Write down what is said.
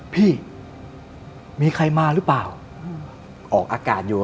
พี่มีใครมาหรือเปล่าออกอากาศอยู่